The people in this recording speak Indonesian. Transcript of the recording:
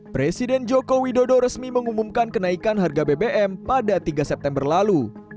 presiden joko widodo resmi mengumumkan kenaikan harga bbm pada tiga september lalu